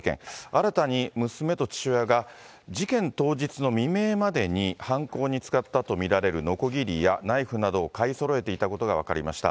新たに娘と父親が、事件当日の未明までに犯行に使ったと見られるのこぎりやナイフなどを買いそろえていたことが分かりました。